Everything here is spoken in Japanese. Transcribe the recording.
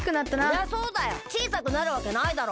そりゃそうだよちいさくなるわけないだろ。